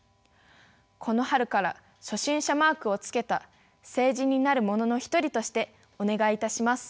この春から初心者マークを付けた成人になる者の一人としてお願いいたします。